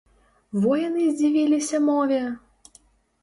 Во яны здзівіліся мове!